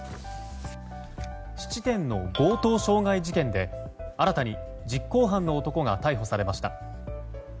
質店の強盗傷害事件で新たに実行犯の男が逮捕されました。